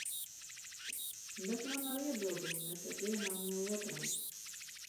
Bet man nav iebildumu ne pret vienām, ne otrām.